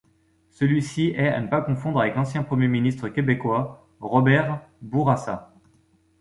Celui-ci est à ne pas confondre avec l'ancien premier ministre québécois Robert Bourassa.